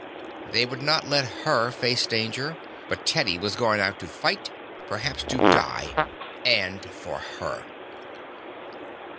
They would not let her face danger, but Teddy was going out to fight, perhaps to die and for her.